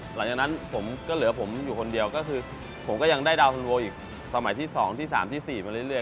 หลังจากนั้นผมก็เหลือผมอยู่คนเดียวก็คือผมก็ยังได้ดาวฮันโวอีกสมัยที่๒ที่๓ที่๔มาเรื่อย